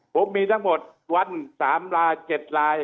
ผมมีทั้งหมดวัน๓ลาย๗ลาย๘ลาย